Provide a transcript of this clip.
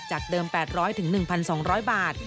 จากเดิม๘๐๐๑๒๐๐บาท